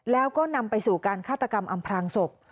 แล้วก็นำไปสู่การฆาตกรรมอำพลางศพ